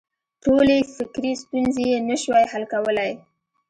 ټولې فکري ستونزې یې نه شوای حل کولای.